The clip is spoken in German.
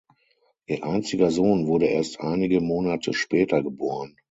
Ihr einziger Sohn wurde erst einige Monate später geboren.